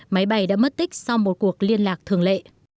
máy bay đã mất tích sau một cuộc liên lạc thường lệ